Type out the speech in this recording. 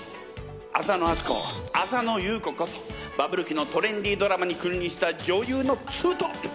浅野温子浅野ゆう子こそバブル期のトレンディードラマに君臨した女優のツートップ！